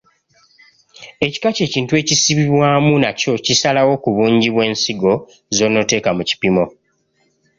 Ekika ky’ekintu ekisibibwamu nakyo kisalawo ku bungi bw’ensigo z’onoteeka mu kipimo.